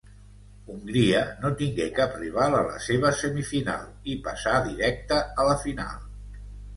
Hongria no tingué cap rival a la seva semifinal i passà directe a la final.